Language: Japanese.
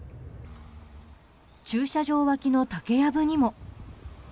駐車場脇の竹やぶにも。